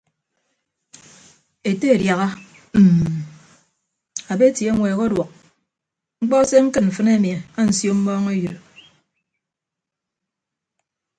Ete adiaha mm abeti eñweek ọduọk mkpọ se ñkịd mfịn ami ansio mmọọñeyịdo.